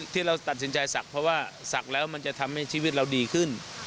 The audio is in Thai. ที่เราตัดสินใจศักดิ์เพราะว่าศักดิ์แล้วมันจะทำให้ชีวิตเราดีขึ้น